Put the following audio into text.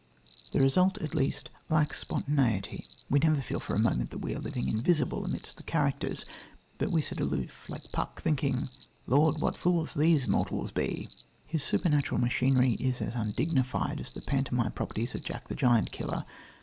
The result, at least, lacks spontaneity. We never feel for a moment that we are living invisible amidst the characters, but we sit aloof like Puck, thinking: "Lord, what fools these mortals be!" His supernatural machinery is as undignified as the pantomime properties of Jack the Giant killer.